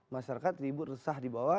masyarakat ribut resah di bawah